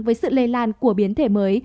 với sự lây lan của biến thể mới